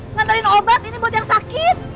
nganterin obat ini buat yang sakit